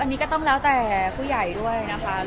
อันนี้ก็ต้องแล้วแต่ผู้ใหญ่ด้วยนะคะ